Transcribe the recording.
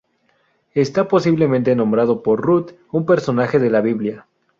Está posiblemente nombrado por Rut, un personaje de la Biblia.